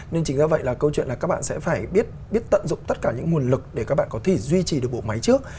nên chính do vậy là câu chuyện là các bạn sẽ phải biết tận dụng tất cả những nguồn lực để các bạn có thể duy trì được bộ máy trước